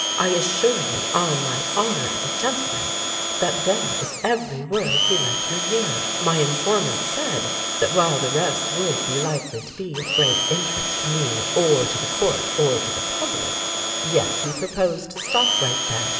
"I assure you on my honor as a gentleman that that is every word he let me hear. My informant said that while the rest would be likely to be of great interest to me or to the court or to the public, yet he 154 THE RECORDING ANGEL proposed to stop right there.